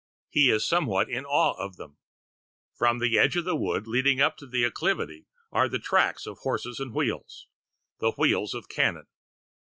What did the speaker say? He is somewhat in awe of them. From the edge of the wood leading up the acclivity are the tracks of horses and wheels the wheels of cannon.